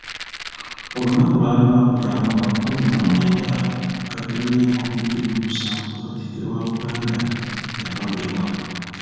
Olunaku lwali Lwakutaano nga kkuminamwenda, Gatonnya nkumi bbiri mu musanvu, Katikkiro wa Buganda yalondebwa.